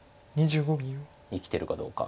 生きてるかどうか。